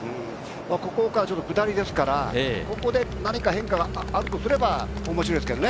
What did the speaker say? ここから下りですから、ここで何か変化があるとすれば、面白いですけどね。